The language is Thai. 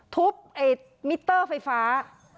ทุบมิตเตอร์ไฟฟ้า